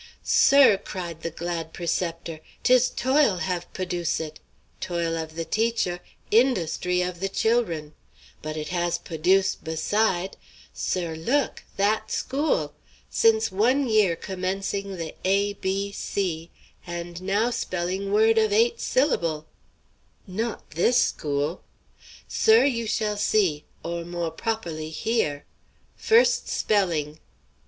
"Sir," cried the glad preceptor, "'tis toil have p'oduce it! Toil of the teacher, in_dust_ry of the chil'run! But it has p'oduce' beside! Sir, look that school! Since one year commencing the A B C and now spelling word' of eight syllabl'!" "Not this school?" "Sir, you shall see or, more p'operly, hear. First spelling!"